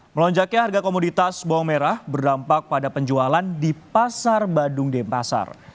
melonjaknya harga komoditas bawang merah berdampak pada penjualan di pasar badung denpasar